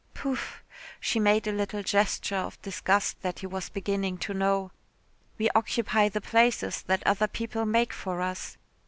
Pouf," she made a little gesture of disgust that he was beginning to know. "We occupy the places that other people make for us.